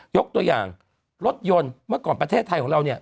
ยกตัวอย่างรถยนต์เมื่อก่อนประเทศไทยของเราเนี่ย